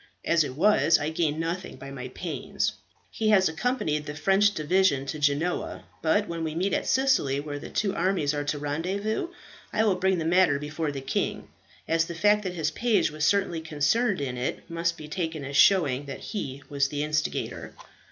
As it was I gained nothing by my pains. He has accompanied this French division to Genoa; but when we meet at Sicily, where the two armies are to rendezvous, I will bring the matter before the king, as the fact that his page was certainly concerned in it must be taken as showing that he was the instigator."